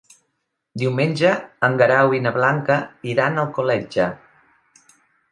Diumenge en Guerau i na Blanca iran a Alcoletge.